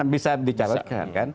bisa dicabutkan kan